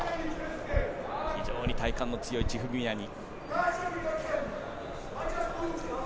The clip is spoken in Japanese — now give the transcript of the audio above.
非常に体幹の強いチフビミアニ。